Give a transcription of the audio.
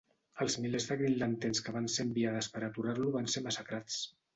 Els milers de Green Lanterns que van ser enviades per aturar-lo van ser massacrats.